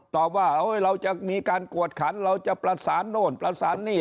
ตอบว่าเราจะมีการกวดขันเราจะประสานโน่นประสานหนี้